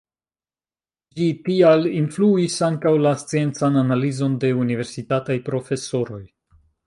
Ĝi tial influis ankaŭ la sciencan analizon de universitataj profesoroj.